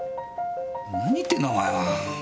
何言ってんだお前は。